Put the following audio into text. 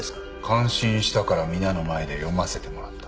感心したから皆の前で読ませてもらった。